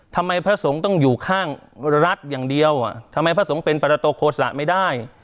พระสงฆ์ต้องอยู่ข้างรัฐอย่างเดียวทำไมพระสงฆ์เป็นปรโตโฆษะไม่ได้